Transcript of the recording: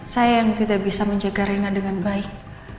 saya yang tidak bisa menjaga rena dengan baik